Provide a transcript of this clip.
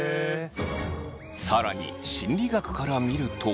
更に心理学から見ると。